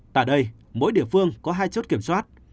tại đây mỗi địa phương có hai chốt kiểm soát